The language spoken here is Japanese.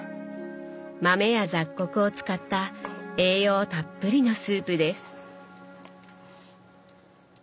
豆や雑穀を使った栄養たっぷりのスープです。